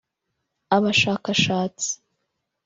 abashakashatsi